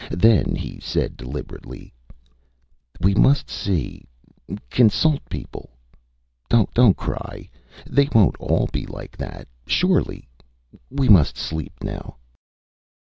Then he said, deliberately ÂWe must see ... consult people. DonÂt cry. ... They wonÂt all be like that ... surely! We must sleep now.